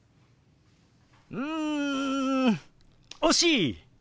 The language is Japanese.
うん惜しい！